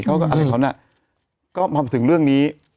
ก็ทำถึงเรื่องนี้